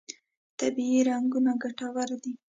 طبیعي رنګونه ګټور دي.